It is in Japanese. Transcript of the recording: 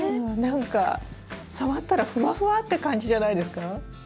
何か触ったらふわふわって感じじゃないですか？